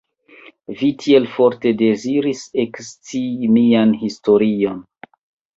Vi tiel forte deziris ekscii mian historion.